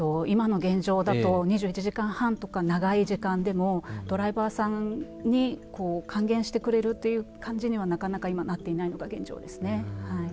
今の現状だと２１時間半とか長い時間でもドライバーさんに還元してくれるという感じにはなかなか今なっていないのが現状ですね。